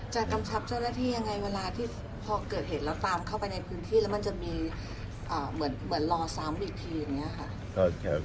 จากกำชับเจ้าหน้าที่ยังไง